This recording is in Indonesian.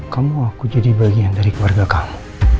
kamu aku jadi bagian dari keluarga kamu